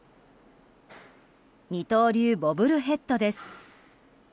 二刀流ボブルヘッドです。